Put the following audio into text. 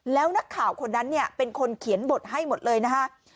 แล้วนักข่าวคนนั้นเนี่ยเป็นคนเขียนบทให้หมดเลยนะคะ